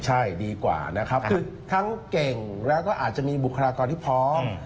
ใช่ดีกว่านะครับคือทั้งเก่งแล้วก็อาจจะมีบุคลากรที่พร้อม